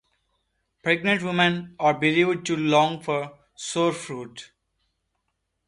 Pregnant women are believed to long for sour fruit.